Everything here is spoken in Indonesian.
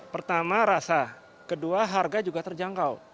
pertama rasa kedua harga juga terjangkau